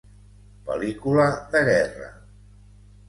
Pel·lícula de guerra.